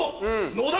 野田！